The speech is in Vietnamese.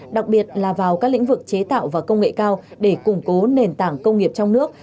đặc biệt là vào các lĩnh vực chế tạo và công nghệ cao để củng cố nền tảng công nghiệp trong nước